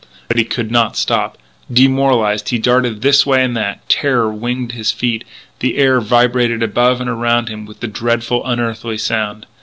But he could not stop. Demoralised, he darted this way and that; terror winged his feet; the air vibrated above and around him with the dreadful, unearthly sounds.